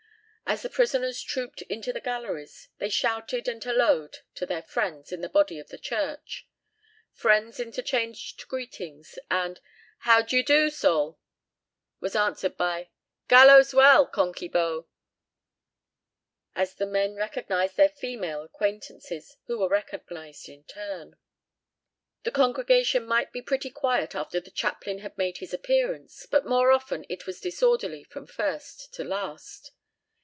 As the prisoners trooped into the galleries they shouted and halloed to their friends in the body of the church. Friends interchanged greetings, and "How d'ye do, Sall?" was answered by "Gallows well, Conkey Beau," as the men recognized their female acquaintances, and were recognized in turn. The congregation might be pretty quiet after the chaplain had made his appearance, but more often it was disorderly from first to last.